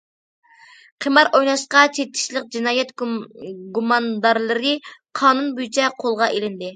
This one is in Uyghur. قىمار ئويناشقا چېتىشلىق جىنايەت گۇماندارلىرى قانۇن بويىچە قولغا ئېلىندى.